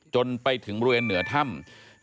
จนไปถึงบริเวณเหนือถ้ำ